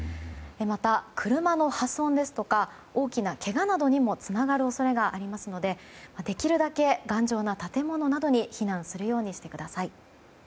また、車の破損ですとか大きなけがなどにもつながる恐れがありますのでできるだけ頑丈な建物などに避難するようにしてください。